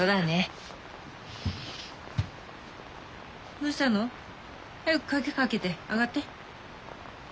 どうしたの？早く鍵かけて上がって。